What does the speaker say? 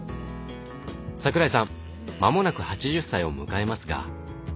桜井さん間もなく８０歳を迎えますが？